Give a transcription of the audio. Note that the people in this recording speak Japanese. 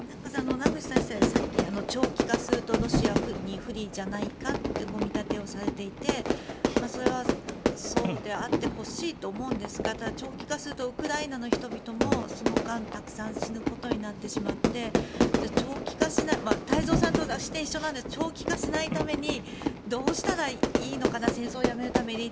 名越先生、さっき長期化するとロシアに不利じゃないかという見立てをされていてそれはそうであってほしいと思うんですがただ、長期化するとウクライナの人々もその間たくさん死ぬことになってしまって太蔵さんと一緒なんですが長期化しないためにどうしたらいいのか戦争やめるために。